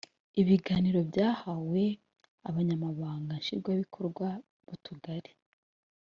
ibiganiro byahawe abanyamabanga nshingwabikorwa b utugari